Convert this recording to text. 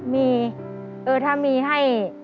มีเออถ้ามีให้